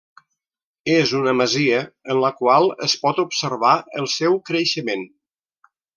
És una masia en la qual es pot observar el seu creixement.